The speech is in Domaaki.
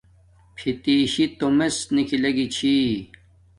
فیتسی تومس نیکھل لگی چھی